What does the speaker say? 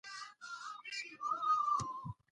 دا نوی سپیکر خورا شفاف او لوړ غږ لري.